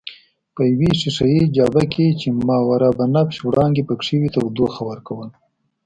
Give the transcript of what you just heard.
په یوې ښیښه یي جابه کې چې ماورابنفش وړانګې پکښې وې تودوخه ورکول.